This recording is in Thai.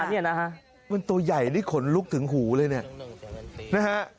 มันตัวใหญ่ที่ขนลุกถึงหูเลยเนี่ย